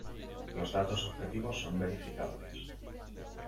Los datos objetivos son verificables.